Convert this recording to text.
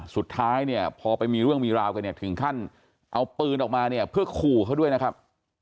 สุดท้ายเนี่ยพอไปมีเรื่องมีราวกันเนี่ยถึงขั้นเอาปืนออกมาเนี่ยเพื่อขู่เขาด้วยนะครับ